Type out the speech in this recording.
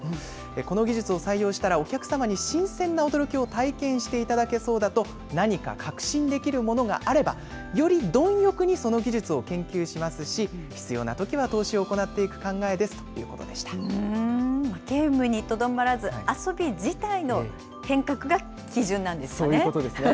この技術を採用したら、お客様に新鮮な驚きを体験していただけそうだと何か確信できるものがあれば、より貪欲にその技術を研究しますし、必要なときは投資を行っていゲームにとどまらず、遊び自そういうことですね。